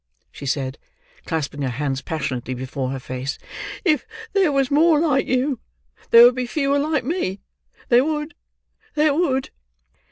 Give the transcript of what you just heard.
she said, clasping her hands passionately before her face, "if there was more like you, there would be fewer like me,—there would—there would!"